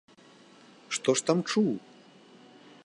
Што ж там чуў?